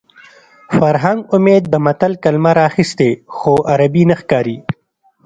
فرهنګ عمید د متل کلمه راخیستې خو عربي نه ښکاري